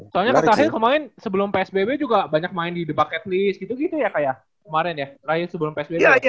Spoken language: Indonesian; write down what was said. soalnya kemarin sebelum psbb juga banyak main di the bucket list gitu gitu ya kayak